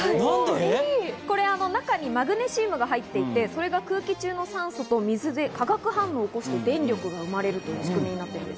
中にマグネシウムが入っていて、それが空気中の酸素と水で化学反応を起こして電力が生まれるという仕組みです。